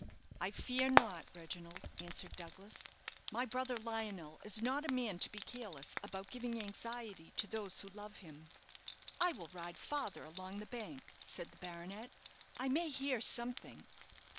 "I fear not, Reginald," answered Douglas; "my brother Lionel is not a man to be careless about giving anxiety to those who love him." "I will ride farther along the bank," said the baronet; "I may hear something."